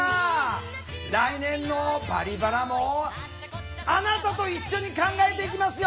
来年の「バリバラ」もあなたと一緒に考えていきますよ。